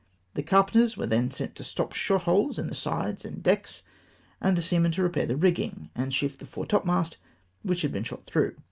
The carpenters were then set to stop shot holes in the sides and decks, and the seamen to repair the rigging, and shift the fore topmast, which had been shot through.